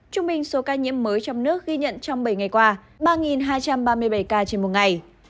trung bình số ca nhiễm mới trong nước ghi nhận trong bảy ngày qua ba hai trăm ba mươi bảy ca trên một ngày